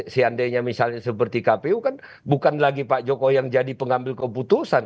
seandainya misalnya seperti kpu kan bukan lagi pak jokowi yang jadi pengambil keputusan